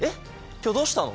今日どうしたの？